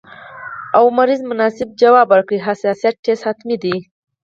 او ناروغ مناسب ځواب ورنکړي، حساسیت ټسټ حتمي دی.